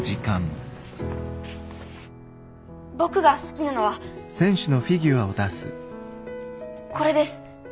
僕が好きなのはこれです。